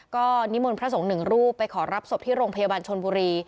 ก็นิมนต์พระสงฆ์หนึ่งรูปไปขอรับศพที่โรงพยาบาลชนบุรี